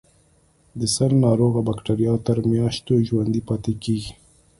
د سل ناروغۍ بکټریا تر میاشتو ژوندي پاتې کیږي.